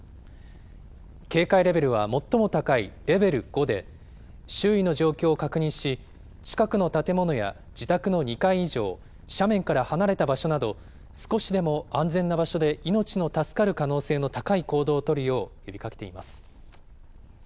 警戒レベルは最も高いレベル５で、周囲の状況を確認し、近くの建物や自宅の２階以上、斜面から離れた場所など、少しでも安全な場所で、命の助かる可能性の高い行動を取るよう呼びかけています。